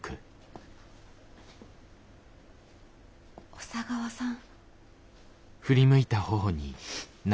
小佐川さん。